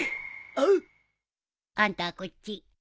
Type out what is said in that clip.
あ。あんたはこっち。